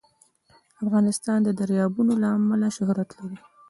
افغانستان د دریابونه له امله شهرت لري.